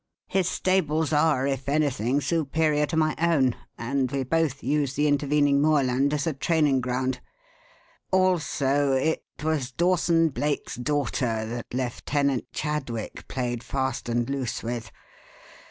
His stables are, if anything, superior to my own; and we both use the intervening moorland as a training ground. Also, it was Dawson Blake's daughter that Lieutenant Chadwick played fast and loose with.